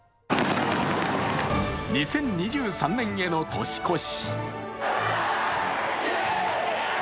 ２０２３年への年越し。